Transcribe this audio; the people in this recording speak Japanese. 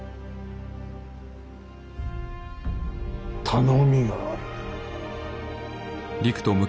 頼みがある。